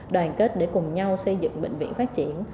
đoàn kết để cùng nhau xây dựng bệnh viện phát triển